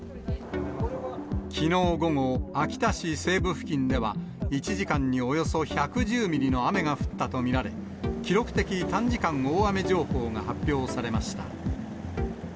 きのう午後、秋田市西部付近では、１時間におよそ１１０ミリの雨が降ったと見られ、記録的短時間大雨情報が発表されました。